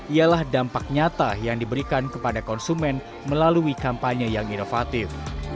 ialah dampak nyata yang diberikan kepada konsumen melalui kampanye yang inovatif